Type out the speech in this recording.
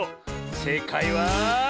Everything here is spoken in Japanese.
せいかいは。